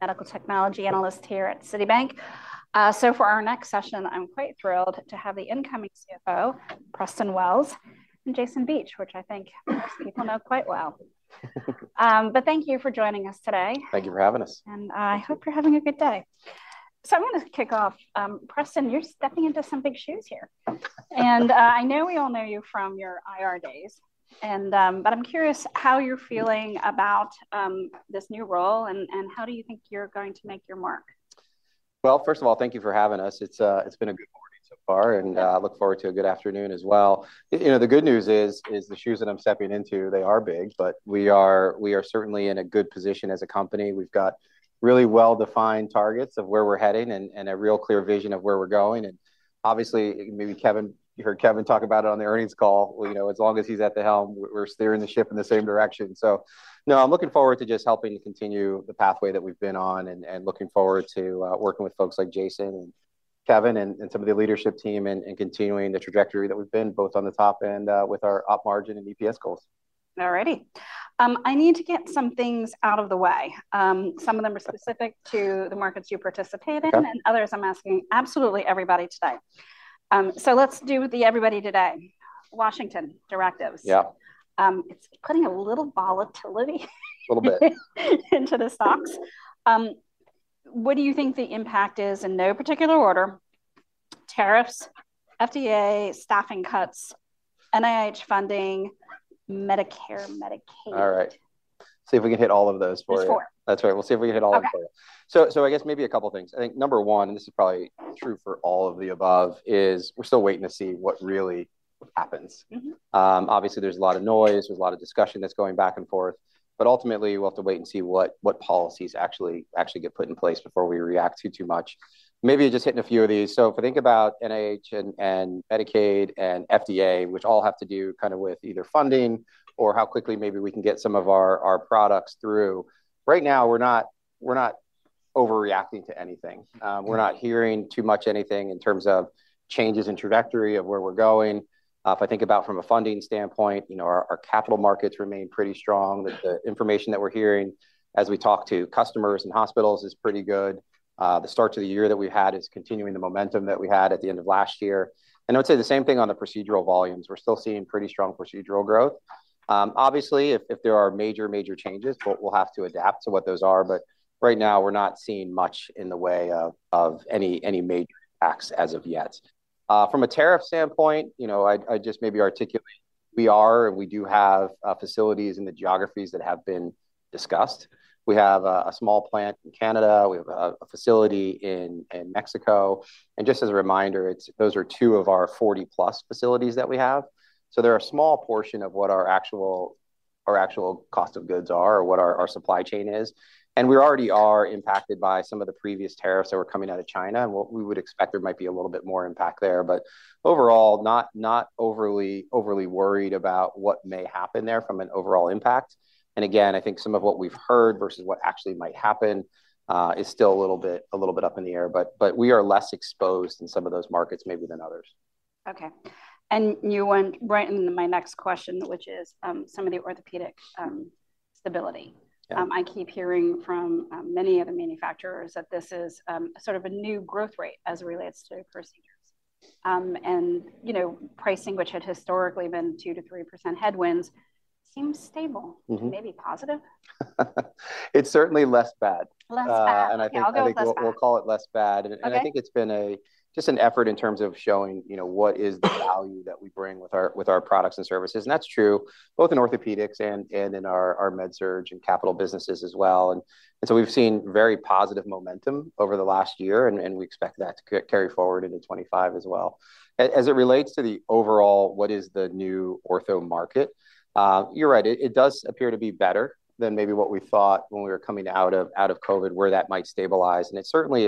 Medical technology analyst here at Citibank. So for our next session, I'm quite thrilled to have the incoming CFO, Preston Wells, and Jason Beach, which I think most people know quite well. But thank you for joining us today. Thank you for having us. I hope you're having a good day. I want to kick off. Preston, you're stepping into some big shoes here. I know we all know you from your IR days. I'm curious how you're feeling about this new role, and how do you think you're going to make your mark? First of all, thank you for having us. It's been a good morning so far, and I look forward to a good afternoon as well. You know, the good news is the shoes that I'm stepping into, they are big, but we are certainly in a good position as a company. We've got really well-defined targets of where we're heading and a real clear vision of where we're going. And obviously, maybe Kevin, you heard Kevin talk about it on the earnings call. You know, as long as he's at the helm, we're steering the ship in the same direction. No, I'm looking forward to just helping continue the pathway that we've been on and looking forward to working with folks like Jason and Kevin and some of the leadership team and continuing the trajectory that we've been on both on the top end with our op margin and EPS goals. All righty. I need to get some things out of the way. Some of them are specific to the markets you participate in, and others I'm asking absolutely everybody today. So let's do the everybody today. Washington directives. Yeah. It's putting a little volatility. A little bit. Into the stocks. What do you think the impact is in no particular order? Tariffs, FDA, staffing cuts, NIH funding, Medicare, Medicaid. All right. See if we can hit all of those for you. Before. That's right. We'll see if we can hit all of them. So I guess maybe a couple of things. I think number one, and this is probably true for all of the above, is we're still waiting to see what really happens. Obviously, there's a lot of noise. There's a lot of discussion that's going back and forth. But ultimately, we'll have to wait and see what policies actually get put in place before we react too much. Maybe just hitting a few of these. So if I think about NIH and Medicaid and FDA, which all have to do kind of with either funding or how quickly maybe we can get some of our products through. Right now, we're not overreacting to anything. We're not hearing too much anything in terms of changes in trajectory of where we're going. If I think about from a funding standpoint, you know, our capital markets remain pretty strong. The information that we're hearing as we talk to customers and hospitals is pretty good. The start of the year that we've had is continuing the momentum that we had at the end of last year, and I would say the same thing on the procedural volumes. We're still seeing pretty strong procedural growth. Obviously, if there are major, major changes, we'll have to adapt to what those are, but right now, we're not seeing much in the way of any major impacts as of yet. From a tariff standpoint, you know, I'll just articulate that we do have facilities in the geographies that have been discussed. We have a small plant in Canada. We have a facility in Mexico. And just as a reminder, those are two of our 40-plus facilities that we have. So they're a small portion of what our actual cost of goods are or what our supply chain is. And we already are impacted by some of the previous tariffs that were coming out of China. And what we would expect there might be a little bit more impact there. But overall, not overly worried about what may happen there from an overall impact. And again, I think some of what we've heard versus what actually might happen is still a little bit up in the air. But we are less exposed in some of those markets maybe than others. Okay and you went right into my next question, which is some of the orthopedic stability. I keep hearing from many of the manufacturers that this is sort of a new growth rate as it relates to procedures. And you know, pricing, which had historically been 2%-3% headwinds, seems stable. Maybe positive? It's certainly less bad. Less bad. I think we'll call it less bad. I think it's been just an effort in terms of showing, you know, what is the value that we bring with our products and services. That's true both in orthopedics and in our MedSurg and capital businesses as well. We've seen very positive momentum over the last year. We expect that to carry forward into 2025 as well. As it relates to the overall, what is the new ortho market? You're right. It does appear to be better than maybe what we thought when we were coming out of COVID, where that might stabilize. It certainly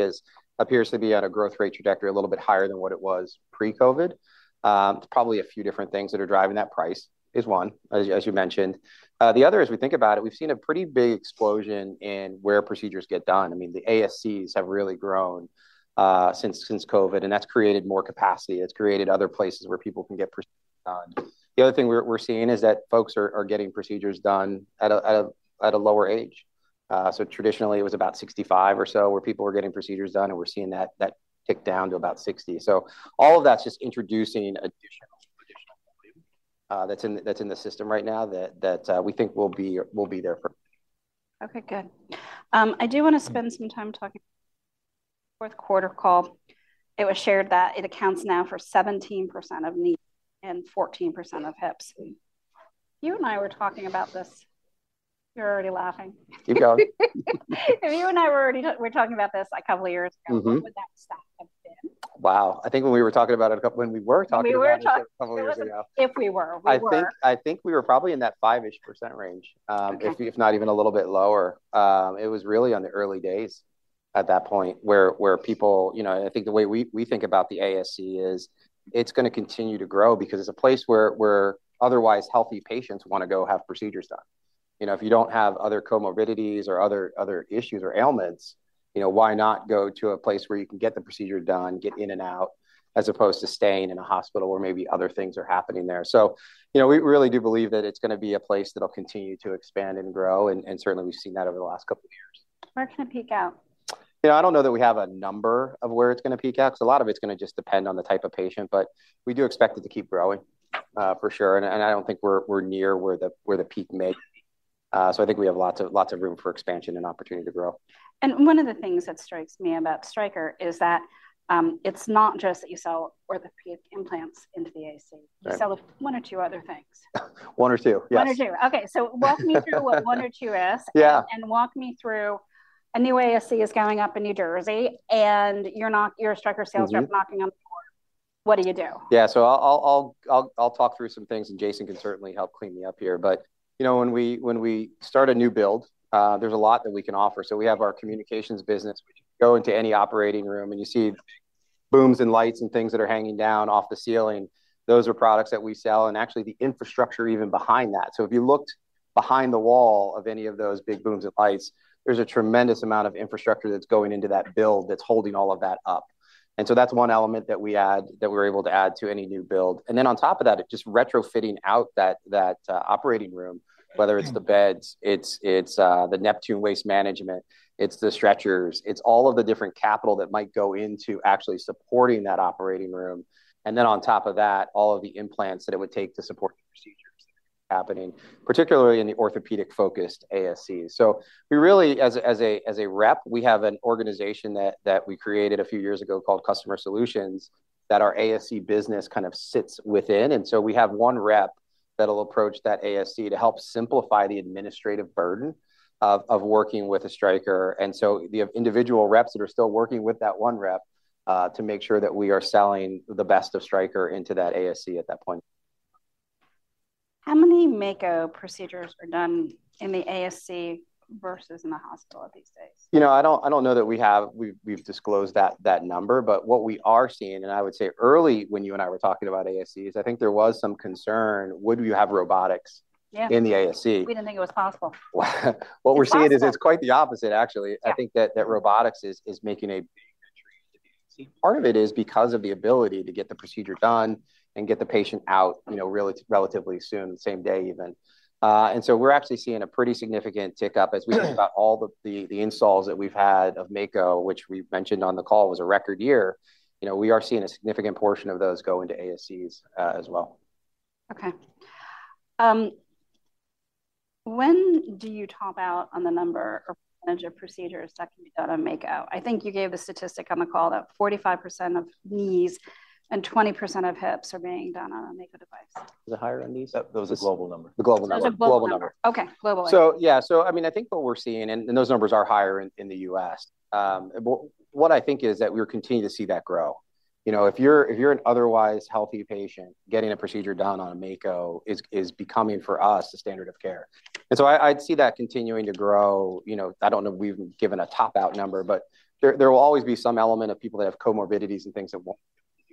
appears to be on a growth rate trajectory a little bit higher than what it was pre-COVID. It's probably a few different things that are driving that. Price is one, as you mentioned. The other is, we think about it. We've seen a pretty big explosion in where procedures get done. I mean, the ASCs have really grown since COVID. And that's created more capacity. It's created other places where people can get procedures done. The other thing we're seeing is that folks are getting procedures done at a lower age. So traditionally, it was about 65 or so where people were getting procedures done. And we're seeing that tick down to about 60. So all of that's just introducing additional volume that's in the system right now that we think will be there for. Good. I do want to spend some time talking about the Q4 call. It was shared that it accounts now for 17% of knees and 14% of hips. You and I were talking about this. You're already laughing. Keep going. You and I were talking about this a couple of years ago. What would that stack have been? Wow. I think when we were talking about it a couple of years ago. If we were. I think we were probably in that 5-ish% range, if not even a little bit lower. It was really on the early days at that point where people, you know, I think the way we think about the ASC is it's going to continue to grow because it's a place where otherwise healthy patients want to go have procedures done. You know, if you don't have other comorbidities or other issues or ailments, you know, why not go to a place where you can get the procedure done, get in and out, as opposed to staying in a hospital where maybe other things are happening there? So you know, we really do believe that it's going to be a place that'll continue to expand and grow. And certainly, we've seen that over the last couple of years. Where can it peak out? You know, I don't know that we have a number of where it's going to peak out because a lot of it's going to just depend on the type of patient, but we do expect it to keep growing for sure, and I don't think we're near where the peak may be, so I think we have lots of room for expansion and opportunity to grow. One of the things that strikes me about Stryker is that it's not just that you sell orthopedic implants into the ASC. You sell one or two other things. One or two, yes. One or two. Okay, so walk me through what one or two is? Yeah. Walk me through a new ASC is going up in New Jersey. You're Stryker sales rep knocking on the door. What do you do? Yeah, so I'll talk through some things, and Jason can certainly help clean me up here, but you know, when we start a new build, there's a lot that we can offer, so we have our communications business. We go into any operating room, and you see big booms and lights and things that are hanging down off the ceiling. Those are products that we sell, and actually, the infrastructure even behind that, so if you looked behind the wall of any of those big booms and lights, there's a tremendous amount of infrastructure that's going into that build that's holding all of that up, and so that's one element that we add that we're able to add to any new build. And then on top of that, it's just retrofitting out that operating room, whether it's the beds, it's the Neptune waste management, it's the stretchers, it's all of the different capital that might go into actually supporting that operating room. And then on top of that, all of the implants that it would take to support procedures happening, particularly in the orthopedic-focused ASCs. So we really, as a rep, we have an organization that we created a few years ago called Customer Solutions that our ASC business kind of sits within. And so we have one rep that'll approach that ASC to help simplify the administrative burden of working with a Stryker. And so the individual reps that are still working with that one rep to make sure that we are selling the best of Stryker into that ASC at that point. How many Mako procedures are done in the ASC versus in the hospital these days? You know, I don't know that we've disclosed that number. But what we are seeing, and I would say early when you and I were talking about ASCs, I think there was some concern, would we have robotics in the ASC? We didn't think it was possible. What we're seeing is it's quite the opposite, actually. I think that robotics is making a big difference. Part of it is because of the ability to get the procedure done and get the patient out, you know, relatively soon, same day even. And so we're actually seeing a pretty significant tick up as we think about all the installs that we've had of Mako, which we mentioned on the call was a record year. You know, we are seeing a significant portion of those go into ASCs as well. Okay. When do you top out on the number of procedures that can be done on Mako? I think you gave the statistic on the call that 45% of knees and 20% of hips are being done on a Mako device. Is it higher on knees? That was a global number. The global number. Okay, global way. So yeah, so I mean, I think what we're seeing, and those numbers are higher in the U.S. What I think is that we're continuing to see that grow. You know, if you're an otherwise healthy patient, getting a procedure done on a Mako is becoming for us a standard of care, and so I'd see that continuing to grow. You know, I don't know if we've given a top-out number, but there will always be some element of people that have comorbidities and things that won't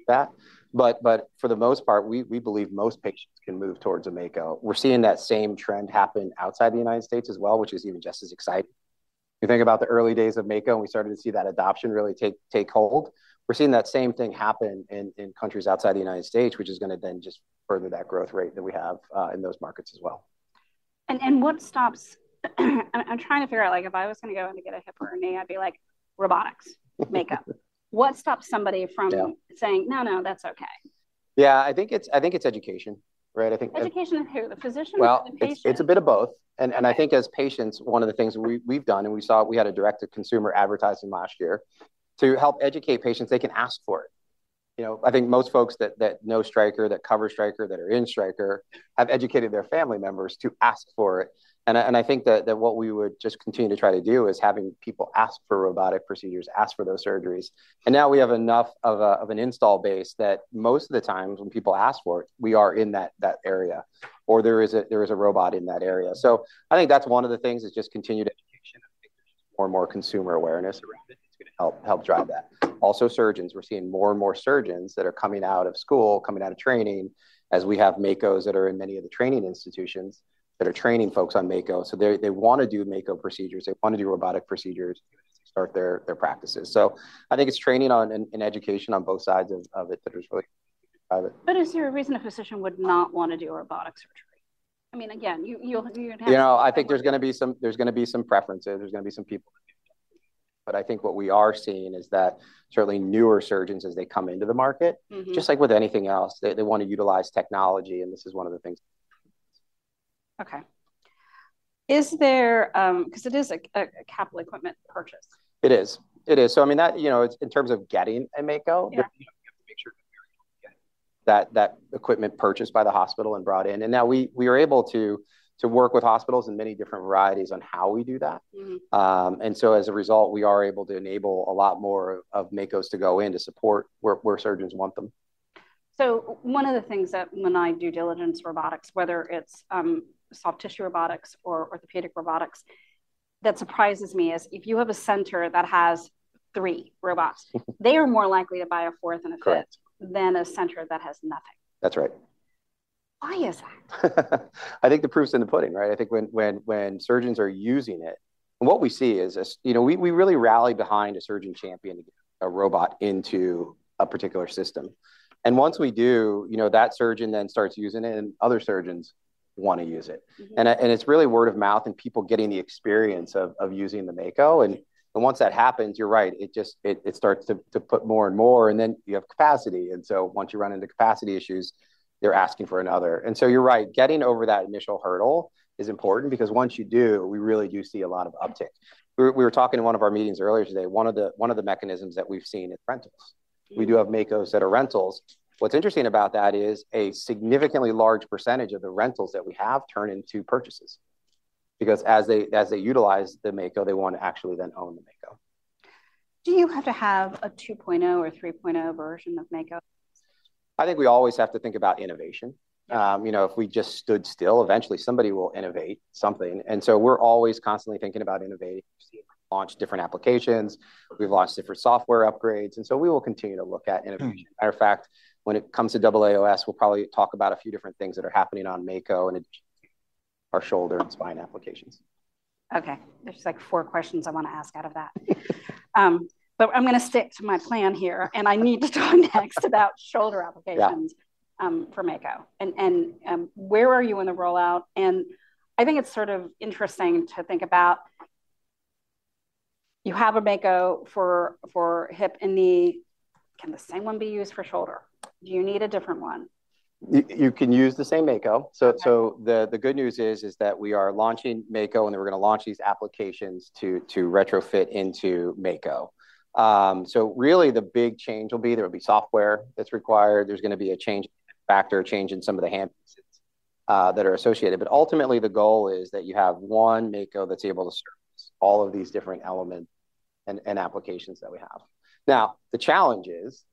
do that, but for the most part, we believe most patients can move towards a Mako. We're seeing that same trend happen outside the United States as well, which is even just as exciting. You think about the early days of Mako, and we started to see that adoption really take hold. We're seeing that same thing happen in countries outside the United States, which is going to then just further that growth rate that we have in those markets as well. What stops? I'm trying to figure out, like, if I was going to go in to get a hip or a knee, I'd be like, robotics, Mako. What stops somebody from saying, no, no, that's okay? Yeah, I think it's education. Right? Education and who? The physician or the patient? It's a bit of both. And I think as patients, one of the things we've done, and we saw we had a direct-to-consumer advertising last year to help educate patients, they can ask for it. You know, I think most folks that know Stryker, that cover Stryker, that are in Stryker, have educated their family members to ask for it. And I think that what we would just continue to try to do is having people ask for robotic procedures, ask for those surgeries. And now we have enough of an installed base that most of the times when people ask for it, we are in that area or there is a robot in that area. So I think that's one of the things is just continued education and more and more consumer awareness around it. It's going to help drive that. Also, surgeons. We're seeing more and more surgeons that are coming out of school, coming out of training as we have Makos that are in many of the training institutions that are training folks on Mako. So they want to do Mako procedures. They want to do robotic procedures to start their practices. So I think it's training and education on both sides of it that is really important. But is there a reason a physician would not want to do a robotic surgery? I mean, again, you'll have. You know, I think there's going to be some preferences. There's going to be some people. But I think what we are seeing is that certainly newer surgeons, as they come into the market, just like with anything else, they want to utilize technology. And this is one of the things that. Okay. Is there, because it is a capital equipment purchase. It is, so I mean, in terms of getting a Mako, you have to make sure that that equipment is purchased by the hospital and brought in. And now we are able to work with hospitals in many different varieties on how we do that. And so as a result, we are able to enable a lot more of Makos to go in to support where surgeons want them. So, one of the things that, when I do diligence robotics, whether it's soft tissue robotics or orthopedic robotics, that surprises me is if you have a center that has three robots, they are more likely to buy a fourth than a fifth than a center that has nothing. That's right. Why is that? I think the proof's in the pudding, right? I think when surgeons are using it, what we see is, you know, we really rally behind a surgeon championing a robot into a particular system. And once we do, you know, that surgeon then starts using it, and other surgeons want to use it. And it's really word of mouth and people getting the experience of using the Mako. And once that happens, you're right, it starts to put more and more. And then you have capacity. And so once you run into capacity issues, they're asking for another. And so you're right, getting over that initial hurdle is important because once you do, we really do see a lot of uptake. We were talking in one of our meetings earlier today, one of the mechanisms that we've seen is rentals. We do have Makos that are rentals. What's interesting about that is a significantly large percentage of the rentals that we have turn into purchases because as they utilize the Mako, they want to actually then own the Mako. Do you have to have a 2.0 or 3.0 version of Mako? I think we always have to think about innovation. You know, if we just stood still, eventually somebody will innovate something. And so we're always constantly thinking about innovating. We've launched different applications. We've launched different software upgrades. And so we will continue to look at innovation. Matter of fact, when it comes to AAOS, we'll probably talk about a few different things that are happening on Mako and additional our shoulder and spine applications. Okay, there's like four questions I want to ask out of that, but I'm going to stick to my plan here, and I need to talk next about shoulder applications for Mako. And where are you in the rollout? And I think it's sort of interesting to think about you have a Mako for hip and knee. Can the same one be used for shoulder? Do you need a different one? You can use the same Mako. So the good news is that we are launching Mako, and we're going to launch these applications to retrofit into Mako. So really, the big change will be there will be software that's required. There's going to be a change factor, a change in some of the handpieces that are associated. But ultimately, the goal is that you have one Mako that's able to serve all of these different elements and applications that we have. Now, the challenge is,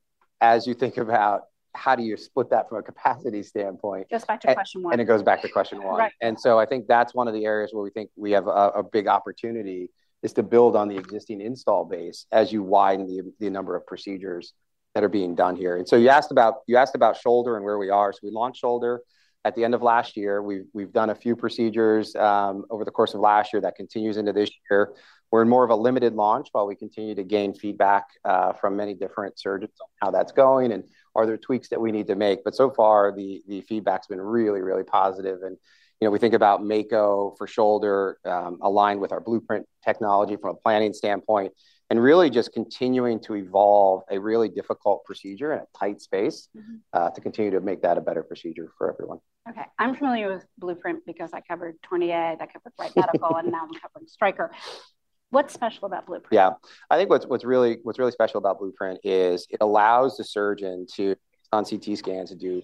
as you think about how do you split that from a capacity standpoint. Goes back to question one. It goes back to question one. I think that's one of the areas where we think we have a big opportunity is to build on the existing install base as you widen the number of procedures that are being done here. You asked about shoulder and where we are. We launched shoulder at the end of last year. We've done a few procedures over the course of last year that continues into this year. We're in more of a limited launch while we continue to gain feedback from many different surgeons on how that's going and are there tweaks that we need to make. So far, the feedback's been really, really positive. You know, we think about Mako for shoulder aligned with our Blueprint technology from a planning standpoint and really just continuing to evolve a really difficult procedure in a tight space to continue to make that a better procedure for everyone. Okay, I'm familiar with Blueprint because I covered 20A, I covered Wright Medical, and now I'm covering Stryker. What's special about Blueprint? Yeah, I think what's really special about Blueprint is it allows the surgeon to, on CT scans, do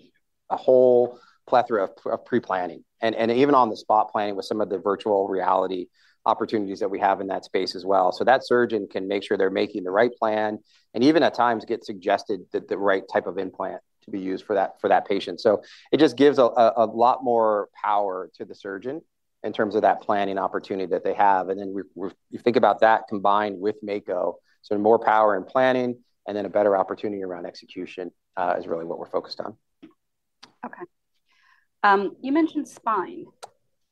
a whole plethora of pre-planning and even on the spot planning with some of the virtual reality opportunities that we have in that space as well. So that surgeon can make sure they're making the right plan and even at times get suggested the right type of implant to be used for that patient. So it just gives a lot more power to the surgeon in terms of that planning opportunity that they have. And then you think about that combined with Mako, so more power in planning and then a better opportunity around execution is really what we're focused on. Okay. You mentioned spine.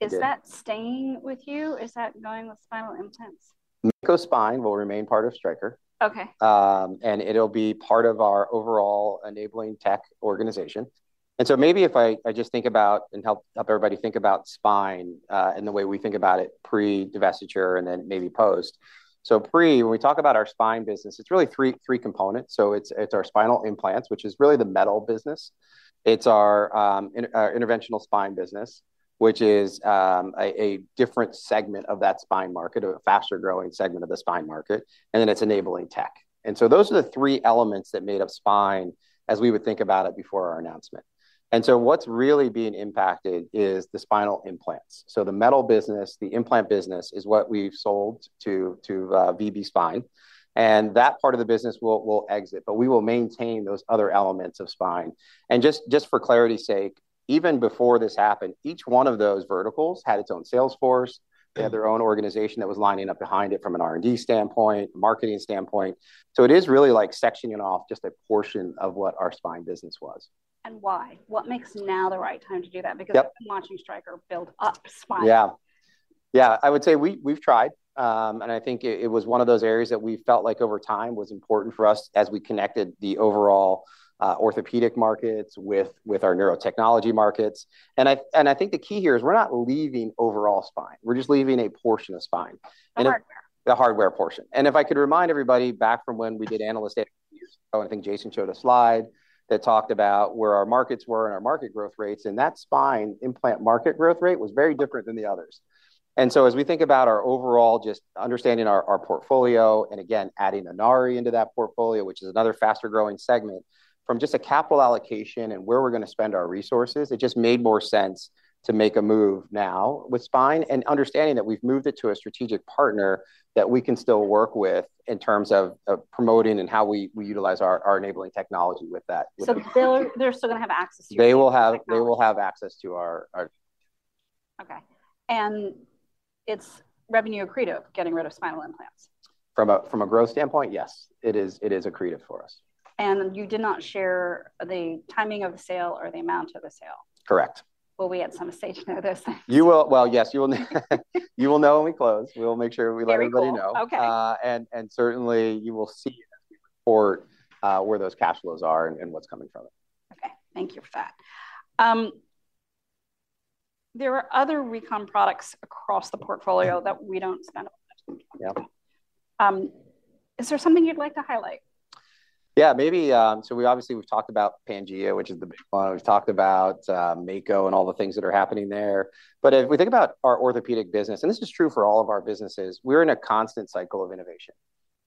Is that staying with you? Is that going with spinal implants? Mako spine will remain part of Stryker. Okay. And it'll be part of our overall enabling tech organization. And so maybe if I just think about and help everybody think about spine and the way we think about it pre-divestiture and then maybe post. So pre, when we talk about our spine business, it's really three components. So it's our spinal implants, which is really the metal business. It's our interventional spine business, which is a different segment of that spine market, a faster growing segment of the spine market. And then it's enabling tech. And so those are the three elements that made up spine as we would think about it before our announcement. And so what's really being impacted is the spinal implants. So the metal business, the implant business is what we've sold to VB Spine. And that part of the business will exit. But we will maintain those other elements of spine. And just for clarity's sake, even before this happened, each one of those verticals had its own sales force. They had their own organization that was lining up behind it from an R&D standpoint, marketing standpoint. So it is really like sectioning off just a portion of what our spine business was. Why? What makes now the right time to do that? Because I'm watching Stryker build up spine. Yeah. Yeah, I would say we've tried, and I think it was one of those areas that we felt like over time was important for us as we connected the overall orthopedic markets with our Neurotechnology markets, and I think the key here is we're not leaving overall spine. We're just leaving a portion of spine. The hardware. The hardware portion. And if I could remind everybody back from when we did analyst analysis, I think Jason showed a slide that talked about where our markets were and our market growth rates. And that spine implant market growth rate was very different than the others. And so as we think about our overall just understanding our portfolio and again, adding Inari into that portfolio, which is another faster growing segment from just a capital allocation and where we're going to spend our resources, it just made more sense to make a move now with spine and understanding that we've moved it to a strategic partner that we can still work with in terms of promoting and how we utilize our enabling technology with that. They're still going to have access to it. They will have access to our. Okay, and it's revenue accretive, getting rid of spinal implants. From a growth standpoint, yes, it is accretive for us. You did not share the timing of the sale or the amount of the sale. Correct. Will we have some say to those things? You will. Well, yes, you will know when we close. We will make sure we let everybody know. Okay. Certainly, you will see it as we report where those cash flows are and what's coming from it. Okay, thank you for that. There are other recon products across the portfolio that we don't spend a lot of time on. Is there something you'd like to highlight? Yeah, maybe. So we obviously we've talked about Pangea, which is the big one. We've talked about Mako and all the things that are happening there. But if we think about our orthopedic business, and this is true for all of our businesses, we're in a constant cycle of innovation.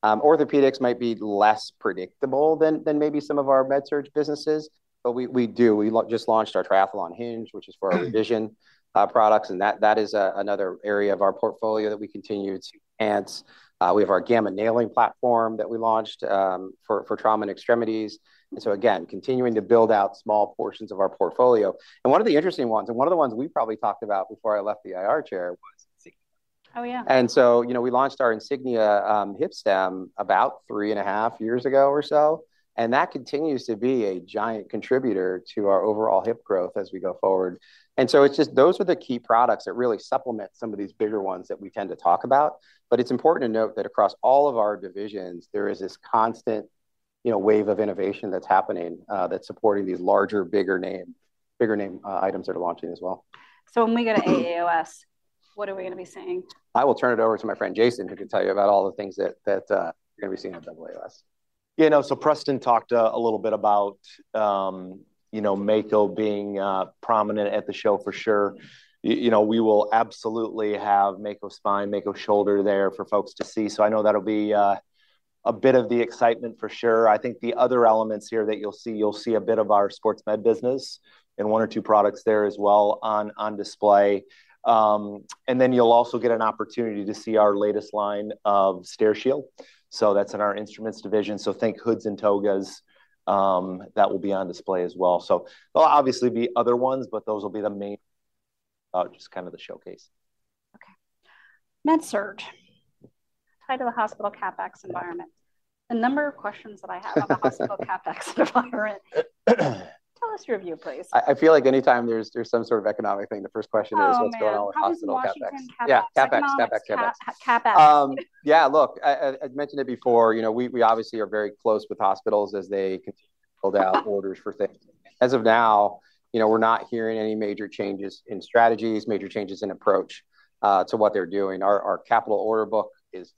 Orthopedics might be less predictable than maybe some of our Med-Surg businesses. But we do. We just launched our Triathlon Hinge, which is for our revision products. And that is another area of our portfolio that we continue to enhance. We have our Gamma nailing platform that we launched for trauma and extremities. And so again, continuing to build out small portions of our portfolio. And one of the interesting ones, and one of the ones we probably talked about before I left the IR chair, was Insignia. Yeah. And so, you know, we launched our Insignia hip stem about three and a half years ago or so. And that continues to be a giant contributor to our overall hip growth as we go forward. And so it's just those are the key products that really supplement some of these bigger ones that we tend to talk about. But it's important to note that across all of our divisions, there is this constant wave of innovation that's happening that's supporting these larger, bigger name items that are launching as well. So when we go to AAOS, what are we going to be seeing? I will turn it over to my friend Jason, who can tell you about all the things that you're going to be seeing at AAOS. Yeah, no, so Preston talked a little bit about Mako being prominent at the show for sure. You know, we will absolutely have Mako spine, Mako shoulder there for folks to see. So I know that'll be a bit of the excitement for sure. I think the other elements here that you'll see, you'll see a bit of our sports med business and one or two products there as well on display. And then you'll also get an opportunity to see our latest line of Steri-Shield. So that's in our instruments division. So think hoods and togas that will be on display as well. So there'll obviously be other ones, but those will be the main just kind of the showcase. Okay. Med-Surg. Tied to the hospital CapEx environment. The number of questions that I have on the hospital CapEx environment. Tell us your view, please. I feel like any time there's some sort of economic thing, the first question is, what's going on with hospital CapEx? CapEx. Yeah, look, I mentioned it before. You know, we obviously are very close with hospitals as they build out orders for things. As of now, you know, we're not hearing any major changes in strategies, major changes in approach to what they're doing. Our capital order book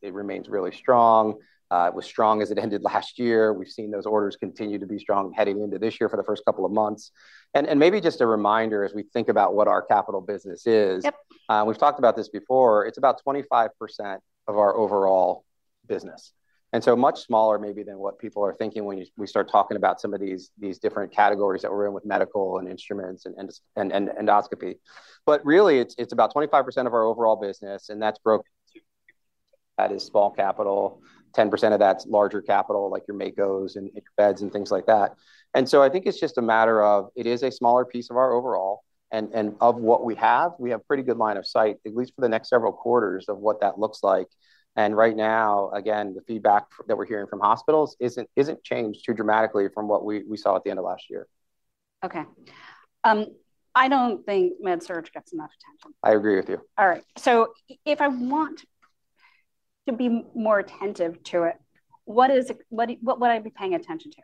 remains really strong. It was strong as it ended last year. We've seen those orders continue to be strong heading into this year for the first couple of months. And maybe just a reminder as we think about what our capital business is, we've talked about this before, it's about 25% of our overall business. And so much smaller maybe than what people are thinking when we start talking about some of these different categories that we're in with medical and instruments and endoscopy. But really, it's about 25% of our overall business. And that's broken into that is small capital, 10% of that's larger capital, like your Mako and beds and things like that. And so I think it's just a matter of it is a smaller piece of our overall. And of what we have, we have a pretty good line of sight, at least for the next several quarters of what that looks like. And right now, again, the feedback that we're hearing from hospitals isn't changed too dramatically from what we saw at the end of last year. Okay. I don't think Med-Surg gets enough attention. I agree with you. All right, so if I want to be more attentive to it, what would I be paying attention to?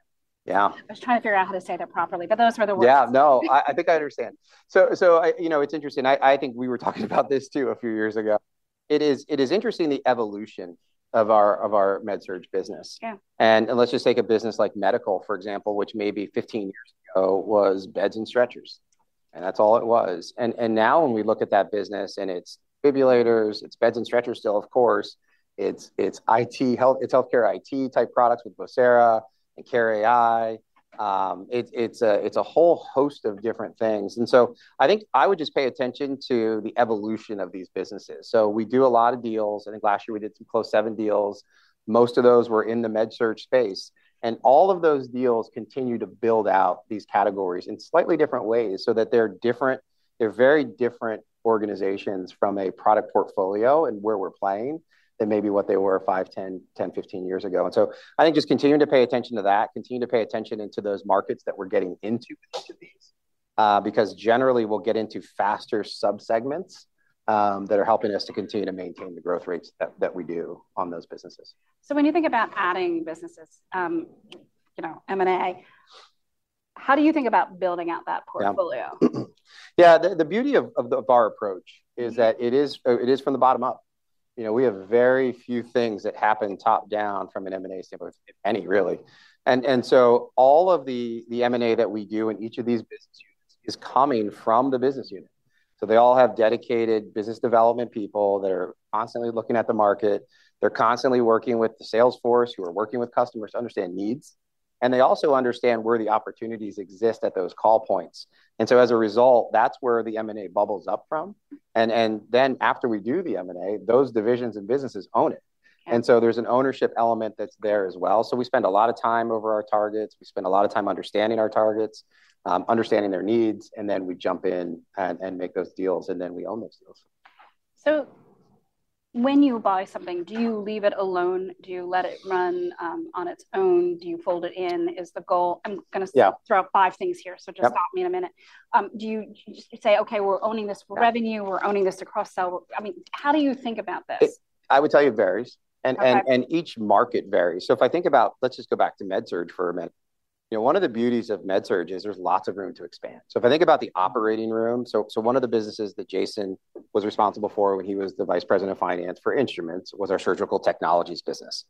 Yeah. I was trying to figure out how to say that properly. But those are the words. Yeah, no, I think I understand. So you know, it's interesting. I think we were talking about this too a few years ago. It is interesting the evolution of our Med-Surg business. And let's just take a business like Medical, for example, which maybe 15 years ago was beds and stretchers. And that's all it was. And now when we look at that business, and it's defibrillators, it's beds and stretchers still, of course, it's healthcare IT type products with Vocera and care.ai. It's a whole host of different things. And so I think I would just pay attention to the evolution of these businesses. So we do a lot of deals. I think last year we did some close seven deals. Most of those were in the Med-Surg space. And all of those deals continue to build out these categories in slightly different ways so that they're very different organizations from a product portfolio and where we're playing than maybe what they were five, 10, 10, 15 years ago. And so I think just continuing to pay attention to that, continue to pay attention to those markets that we're getting into with each of these. Because generally, we'll get into faster subsegments that are helping us to continue to maintain the growth rates that we do on those businesses. So when you think about adding businesses, you know, M&A, how do you think about building out that portfolio? Yeah, the beauty of our approach is that it is from the bottom up. You know, we have very few things that happen top down from an M&A standpoint, if any, really. And so all of the M&A that we do in each of these business units is coming from the business unit. So they all have dedicated business development people that are constantly looking at the market. They're constantly working with the sales force who are working with customers to understand needs. And they also understand where the opportunities exist at those call points. And so as a result, that's where the M&A bubbles up from. And then after we do the M&A, those divisions and businesses own it. And so there's an ownership element that's there as well. So we spend a lot of time over our targets. We spend a lot of time understanding our targets, understanding their needs. And then we jump in and make those deals. And then we own those deals. So when you buy something, do you leave it alone? Do you let it run on its own? Do you fold it in? Is the goal? I'm going to throw out five things here. So just stop me in a minute. Do you say, OK, we're owning this revenue. We're owning this to cross-sell. I mean, how do you think about this? I would tell you it varies, and each market varies. So if I think about, let's just go back to Med-Surg for a minute. You know, one of the beauties of Med-Surg is there's lots of room to expand. So if I think about the operating room, so one of the businesses that Jason was responsible for when he was the vice president of finance for instruments was our surgical technologies business.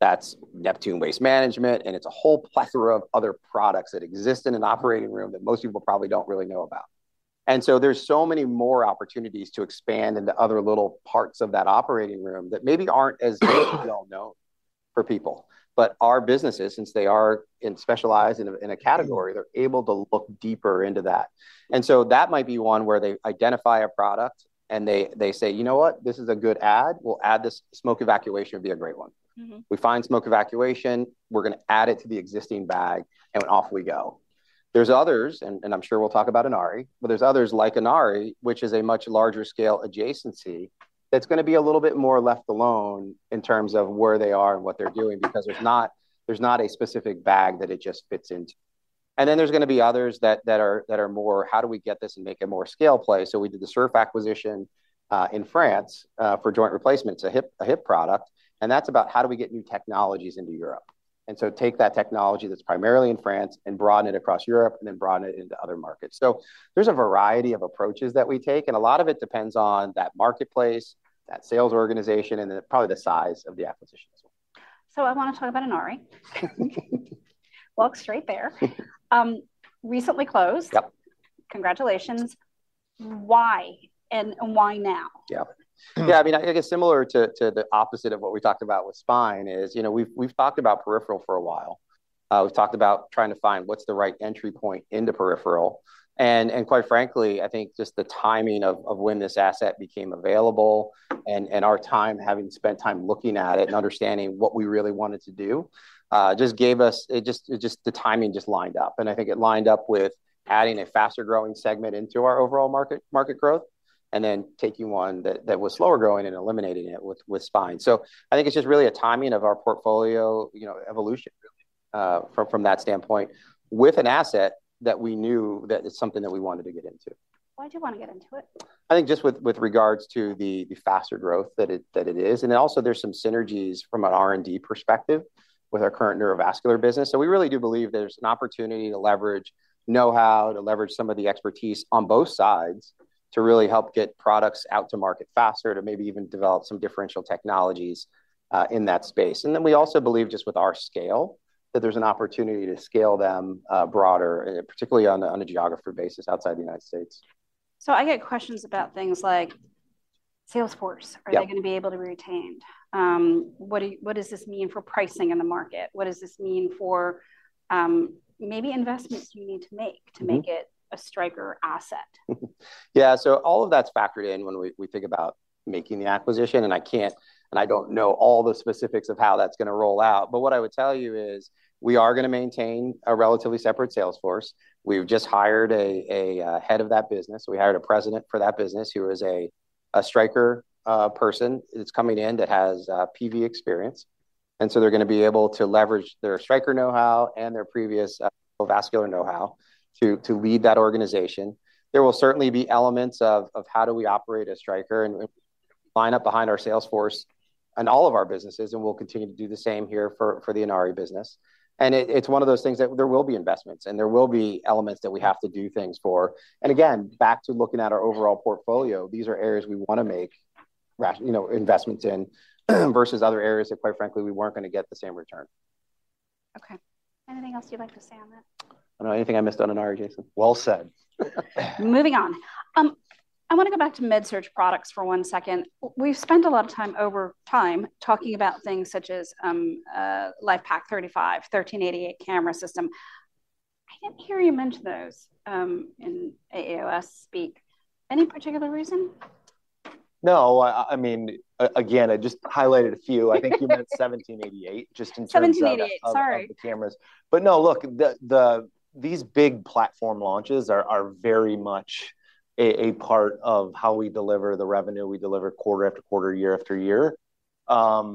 That's Neptune Waste Management. And it's a whole plethora of other products that exist in an operating room that most people probably don't really know about. And so there's so many more opportunities to expand into other little parts of that operating room that maybe aren't as well known for people. But our businesses, since they are specialized in a category, they're able to look deeper into that. And so that might be one where they identify a product and they say, you know what, this is a good add. We'll add this. Smoke evacuation would be a great one. We find smoke evacuation. We're going to add it to the existing bag. And off we go. There's others, and I'm sure we'll talk about Inari, but there's others like Inari, which is a much larger scale adjacency that's going to be a little bit more left alone in terms of where they are and what they're doing because there's not a specific bag that it just fits into. And then there's going to be others that are more, how do we get this and make it more scale play? So we did the SERF acquisition in France for joint replacements, a hip product. And that's about how do we get new technologies into Europe. And so take that technology that's primarily in France and broaden it across Europe and then broaden it into other markets. So there's a variety of approaches that we take. And a lot of it depends on that marketplace, that sales organization, and then probably the size of the acquisition as well. So I want to talk about Inari. Walk straight there. Recently closed. Congratulations. Why? And why now? Yeah. Yeah, I mean, I guess similar to the opposite of what we talked about with spine is, you know, we've talked about peripheral for a while. We've talked about trying to find what's the right entry point into peripheral. And quite frankly, I think just the timing of when this asset became available and our time having spent time looking at it and understanding what we really wanted to do just gave us just the timing just lined up, and I think it lined up with adding a faster growing segment into our overall market growth and then taking one that was slower growing and eliminating it with spine, so I think it's just really a timing of our portfolio evolution from that standpoint with an asset that we knew that it's something that we wanted to get into. Why do you want to get into it? I think, just with regards to the faster growth that it is, and then also there's some synergies from an R&D perspective with our current neurovascular business, so we really do believe there's an opportunity to leverage know-how, to leverage some of the expertise on both sides to really help get products out to market faster, to maybe even develop some differential technologies in that space, and then we also believe just with our scale that there's an opportunity to scale them broader, particularly on a geographic basis outside the United States. So I get questions about things like sales force. Are they going to be able to be retained? What does this mean for pricing in the market? What does this mean for maybe investments you need to make to make it a Stryker asset? Yeah, so all of that's factored in when we think about making the acquisition. And I can't and I don't know all the specifics of how that's going to roll out. But what I would tell you is we are going to maintain a relatively separate sales force. We've just hired a head of that business. We hired a president for that business who is a Stryker person that's coming in that has PV experience. And so they're going to be able to leverage their Stryker know-how and their previous vascular know-how to lead that organization. There will certainly be elements of how do we operate a Stryker and line up behind our sales force and all of our businesses. And we'll continue to do the same here for the Inari business. And it's one of those things that there will be investments. There will be elements that we have to do things for. Again, back to looking at our overall portfolio, these are areas we want to make investments in versus other areas that, quite frankly, we weren't going to get the same return. Okay. Anything else you'd like to say on that? I don't know. Anything I missed on Inari, Jason? Well said. Moving on. I want to go back to Med-Surg products for one second. We've spent a lot of time over time talking about things such as LIFEPAK 35, 1788 camera system. I didn't hear you mention those in AAOS speak. Any particular reason? No. I mean, again, I just highlighted a few. I think you meant 1788 just in terms of. 1788, sorry. Cameras. But no, look, these big platform launches are very much a part of how we deliver the revenue we deliver quarter after quarter, year after year. And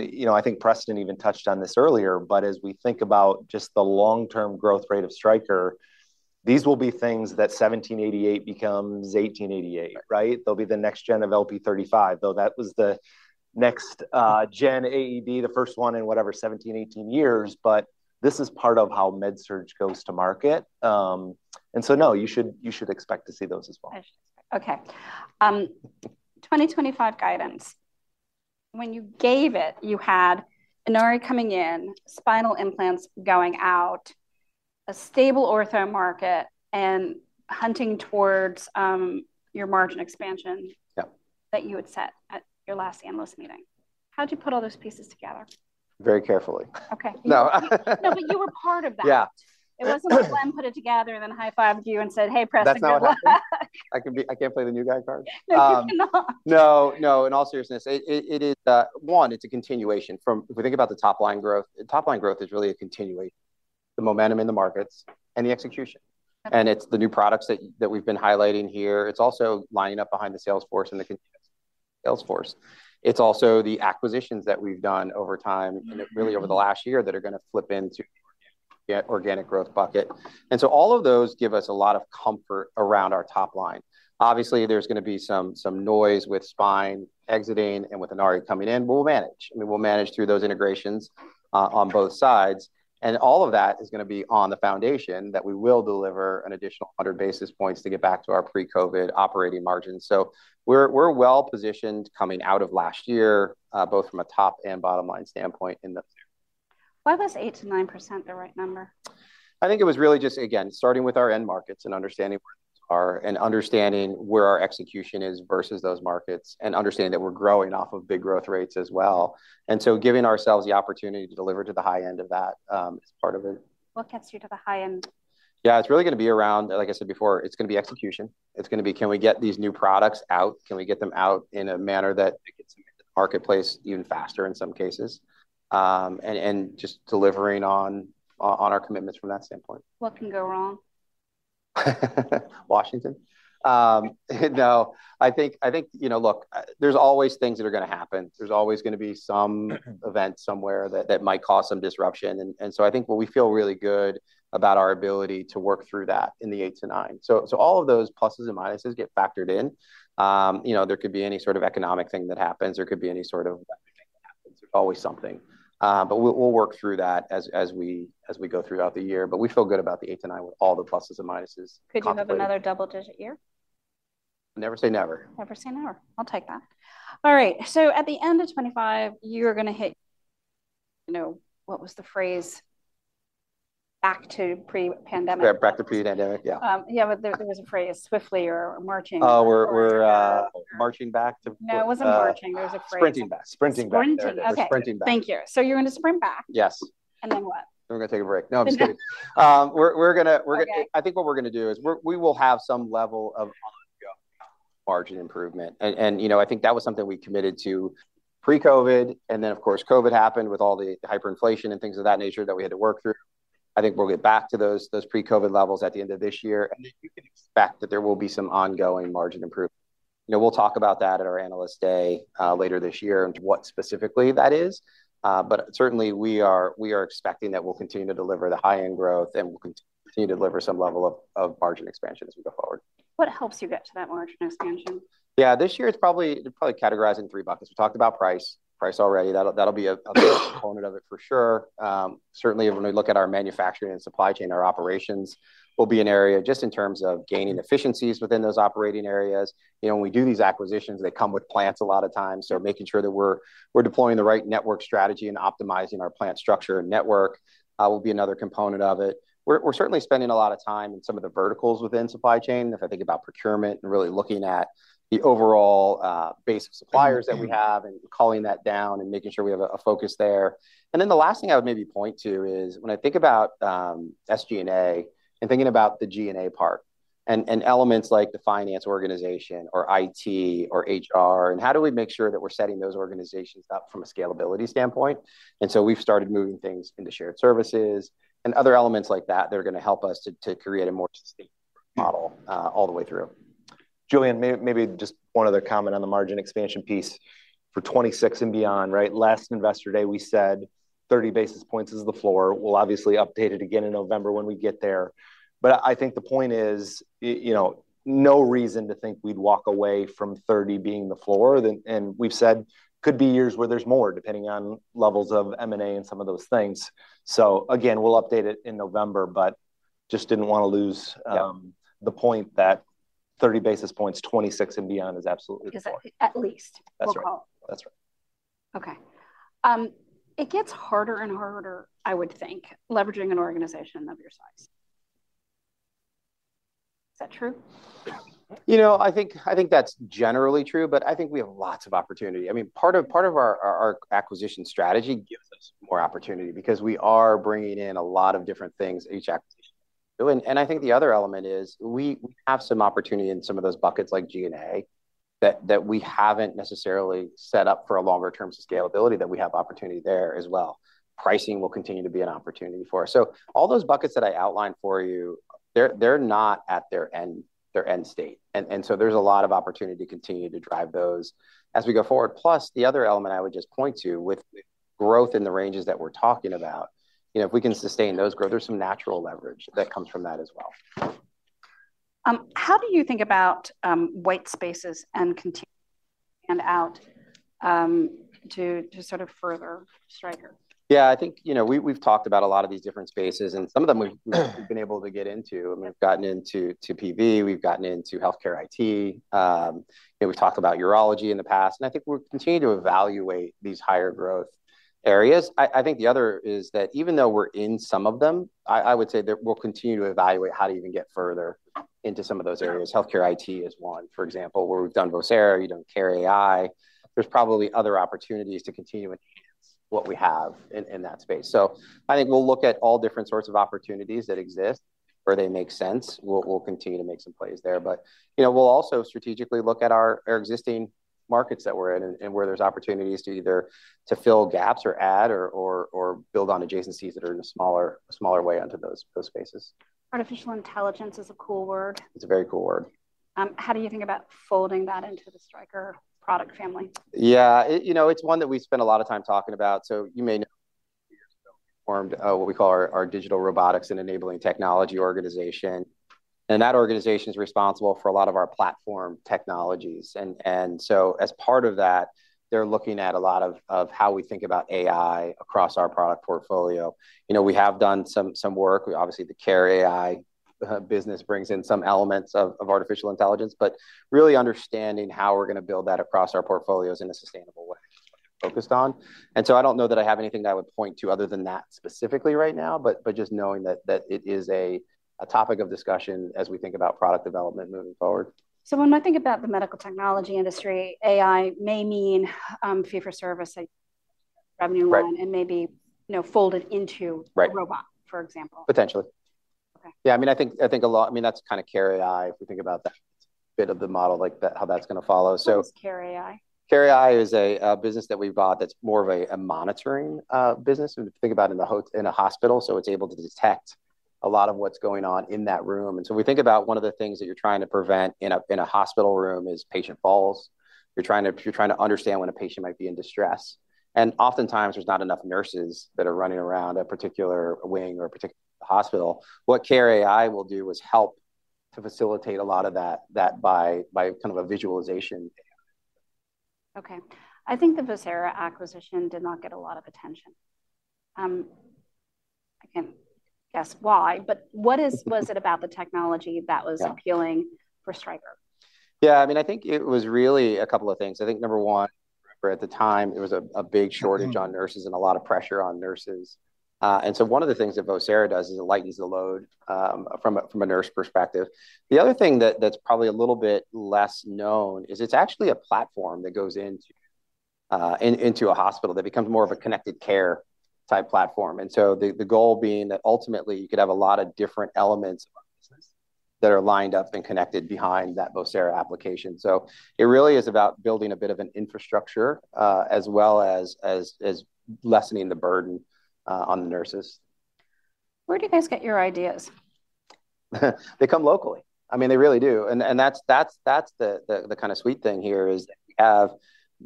you know, I think Preston even touched on this earlier. But as we think about just the long-term growth rate of Stryker, these will be things that 1788 becomes 1888, right? They'll be the next gen of LP35, though that was the next gen AED, the first one in whatever, 17, 18 years. But this is part of how Med-Surg goes to market. And so no, you should expect to see those as well. Okay. 2025 guidance. When you gave it, you had Inari coming in, spinal implants going out, a stable ortho market, and hunting towards your margin expansion that you had set at your last analyst meeting. How did you put all those pieces together? Very carefully. Okay. No, but you were part of that. Yeah. It wasn't. Glenn put it together and then high-fived you and said, "Hey, Preston. That's not what happened. I can't play the new guy card. No, you cannot. No, no. In all seriousness, it is one. It's a continuation from if we think about the top line growth. Top line growth is really a continuation of the momentum in the markets and the execution. And it's the new products that we've been highlighting here. It's also lining up behind the sales force and the continuing sales force. It's also the acquisitions that we've done over time, really over the last year, that are going to flip into the organic growth bucket. And so all of those give us a lot of comfort around our top line. Obviously, there's going to be some noise with spine exiting and with Inari coming in, but we'll manage. I mean, we'll manage through those integrations on both sides. And all of that is going to be on the foundation that we will deliver an additional 100 basis points to get back to our pre-COVID operating margins. So we're well positioned coming out of last year, both from a top and bottom line standpoint in that. Why was 8%-9% the right number? I think it was really just, again, starting with our end markets and understanding where we are and understanding where our execution is versus those markets and understanding that we're growing off of big growth rates as well and so giving ourselves the opportunity to deliver to the high end of that is part of it. What gets you to the high end? Yeah, it's really going to be around, like I said before, it's going to be execution. It's going to be, can we get these new products out? Can we get them out in a manner that gets them into the marketplace even faster in some cases, and just delivering on our commitments from that standpoint. What can go wrong? Washington. No, I think, you know, look, there's always things that are going to happen. There's always going to be some event somewhere that might cause some disruption. And so I think we feel really good about our ability to work through that in the 8%-9%. So all of those pluses and minuses get factored in. You know, there could be any sort of economic thing that happens. There could be any sort of. There's always something. But we'll work through that as we go throughout the year. But we feel good about the 8%-9% with all the pluses and minuses. Could you have another double-digit year? Never say never. Never say never. I'll take that. All right. So at the end of 2025, you're going to hit, you know, what was the phrase? Back to pre-pandemic. Back to pre-pandemic, yeah. Yeah, but there was a phrase, swiftly or marching. Oh, we're marching back to. No, it wasn't marching. There was a phrase. Sprinting back. Sprinting back. Sprinting. Sprinting back. Thank you, so you're going to sprint back. Yes. Then what? We're going to take a break. No, I'm just kidding. I think what we're going to do is we will have some level of margin improvement, and you know, I think that was something we committed to pre-COVID, and then, of course, COVID happened with all the hyperinflation and things of that nature that we had to work through. I think we'll get back to those pre-COVID levels at the end of this year, and then you can expect that there will be some ongoing margin improvement. You know, we'll talk about that at our analyst day later this year and what specifically that is, but certainly, we are expecting that we'll continue to deliver the high-end growth and we'll continue to deliver some level of margin expansion as we go forward. What helps you get to that margin expansion? Yeah, this year it's probably categorized in three buckets. We talked about price. Price already. That'll be a component of it for sure. Certainly, when we look at our manufacturing and supply chain, our operations will be an area just in terms of gaining efficiencies within those operating areas. You know, when we do these acquisitions, they come with plants a lot of times. So making sure that we're deploying the right network strategy and optimizing our plant structure and network will be another component of it. We're certainly spending a lot of time in some of the verticals within supply chain. If I think about procurement and really looking at the overall base of suppliers that we have and culling that down and making sure we have a focus there. Then the last thing I would maybe point to is when I think about SG&A and thinking about the G&A part and elements like the finance organization or IT or HR and how do we make sure that we're setting those organizations up from a scalability standpoint. We've started moving things into shared services and other elements like that that are going to help us to create a more sustainable model all the way through. Julian, maybe just one other comment on the margin expansion piece. For 2026 and beyond, right? Last investor day, we said 30 basis points is the floor. We'll obviously update it again in November when we get there. I think the point is, you know, no reason to think we'd walk away from 30 being the floor. And we've said could be years where there's more depending on levels of M&A and some of those things. So again, we'll update it in November, but just didn't want to lose the point that 30 basis points, 2026 and beyond is absolutely the floor. At least. That's right. That's right. It gets harder and harder, I would think, leveraging an organization of your size. Is that true? You know, I think that's generally true, but I think we have lots of opportunity. I mean, part of our acquisition strategy gives us more opportunity because we are bringing in a lot of different things each acquisition. And I think the other element is we have some opportunity in some of those buckets like G&A that we haven't necessarily set up for a longer-term scalability that we have opportunity there as well. Pricing will continue to be an opportunity for us. So all those buckets that I outlined for you, they're not at their end state. And so there's a lot of opportunity to continue to drive those as we go forward. Plus, the other element I would just point to with growth in the ranges that we're talking about, you know, if we can sustain those growth, there's some natural leverage that comes from that as well. How do you think about white spaces and continue to stand out to sort of further Stryker? Yeah, I think, you know, we've talked about a lot of these different spaces. And some of them we've been able to get into. I mean, we've gotten into PV. We've gotten into health care IT. We've talked about urology in the past. And I think we'll continue to evaluate these higher growth areas. I think the other is that even though we're in some of them, I would say that we'll continue to evaluate how to even get further into some of those areas. Health care IT is one, for example, where we've done Vocera, you know, care.ai. There's probably other opportunities to continue what we have in that space. So I think we'll look at all different sorts of opportunities that exist where they make sense. We'll continue to make some plays there. But you know, we'll also strategically look at our existing markets that we're in and where there's opportunities to either fill gaps or add or build on adjacencies that are in a smaller way onto those spaces. Artificial intelligence is a cool word. It's a very cool word. How do you think about folding that into the Stryker product family? Yeah, you know, it's one that we spend a lot of time talking about. So you may know we formed what we call our Digital, Robotics and Enabling Technology organization. And that organization is responsible for a lot of our platform technologies. And so as part of that, they're looking at a lot of how we think about AI across our product portfolio. You know, we have done some work. Obviously, the Care AI business brings in some elements of artificial intelligence, but really understanding how we're going to build that across our portfolios in a sustainable way, focused on. And so I don't know that I have anything that I would point to other than that specifically right now, but just knowing that it is a topic of discussion as we think about product development moving forward. So when we think about the medical technology industry, AI may mean fee-for-service revenue and maybe folded into a robot, for example. Potentially. Yeah, I mean, I think a lot. I mean, that's kind of care.ai if we think about that bit of the model, like how that's going to follow. What is care.ai? care.ai is a business that we bought that's more of a monitoring business. If you think about it in a hospital, so it's able to detect a lot of what's going on in that room, and so we think about one of the things that you're trying to prevent in a hospital room is patient falls. You're trying to understand when a patient might be in distress, and oftentimes, there's not enough nurses that are running around a particular wing or a particular hospital. What care.ai will do is help to facilitate a lot of that by kind of a visualization. Okay. I think the Vocera acquisition did not get a lot of attention. I can't guess why, but what was it about the technology that was appealing for Stryker? Yeah, I mean, I think it was really a couple of things. I think number one, at the time, there was a big shortage on nurses and a lot of pressure on nurses. And so one of the things that Vocera does is it lightens the load from a nurse perspective. The other thing that's probably a little bit less known is it's actually a platform that goes into a hospital that becomes more of a connected care type platform. And so the goal being that ultimately, you could have a lot of different elements that are lined up and connected behind that Vocera application. So it really is about building a bit of an infrastructure as well as lessening the burden on the nurses. Where do you guys get your ideas? They come locally. I mean, they really do. And that's the kind of sweet thing here is that we have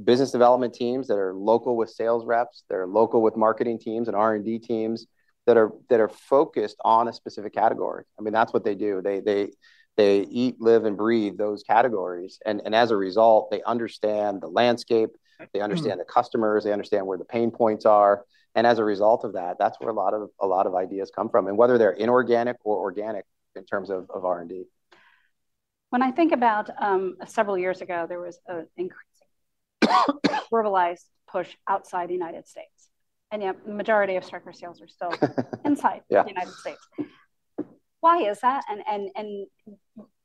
business development teams that are local with sales reps. They're local with marketing teams and R&D teams that are focused on a specific category. I mean, that's what they do. They eat, live, and breathe those categories. And as a result, they understand the landscape. They understand the customers. They understand where the pain points are. And as a result of that, that's where a lot of ideas come from, whether they're inorganic or organic in terms of R&D. When I think about several years ago, there was an increasing globalized push outside the United States. And yet, the majority of Stryker sales are still inside the United States. Why is that? And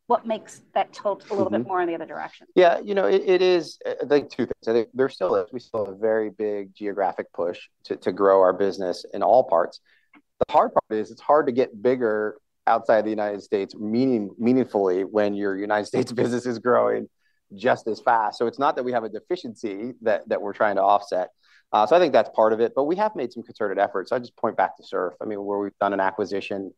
what makes that tilt a little bit more in the other direction? Yeah, you know, it is, I think, two things. I think there still is, we still have a very big geographic push to grow our business in all parts. The hard part is it's hard to get bigger outside the United States meaningfully when your United States business is growing just as fast, so it's not that we have a deficiency that we're trying to offset, so I think that's part of it. But we have made some concerted efforts. I just point back to SERF, I mean, where we've done an acquisition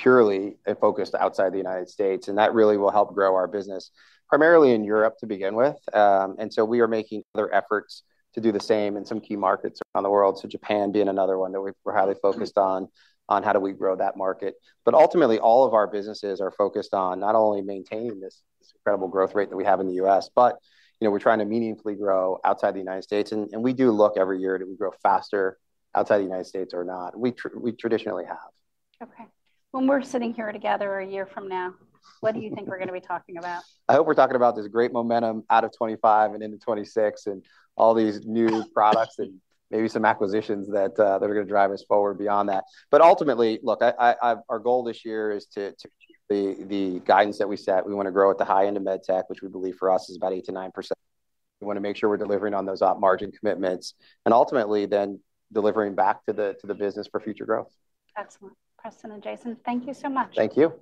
purely focused outside the United States, and that really will help grow our business, primarily in Europe to begin with, and so we are making other efforts to do the same in some key markets around the world, so Japan being another one that we're highly focused on, on how do we grow that market. But ultimately, all of our businesses are focused on not only maintaining this incredible growth rate that we have in the U.S., but we're trying to meaningfully grow outside the United States. And we do look every year do we grow faster outside the United States or not. We traditionally have. Okay. When we're sitting here together a year from now, what do you think we're going to be talking about? I hope we're talking about this great momentum out of 2025 and into 2026 and all these new products and maybe some acquisitions that are going to drive us forward beyond that. But ultimately, look, our goal this year is to achieve the guidance that we set. We want to grow at the high end of med tech, which we believe for us is about 8%-9%. We want to make sure we're delivering on those margin commitments and ultimately then delivering back to the business for future growth. Excellent. Preston and Jason, thank you so much. Thank you.